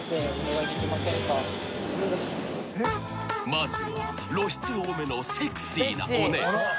［まずは露出多めのセクシーなお姉さま］